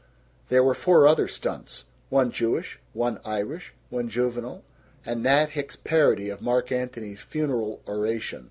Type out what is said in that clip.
There were four other stunts: one Jewish, one Irish, one juvenile, and Nat Hicks's parody of Mark Antony's funeral oration.